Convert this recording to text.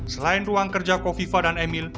selain ruang kerja kofifa dan emil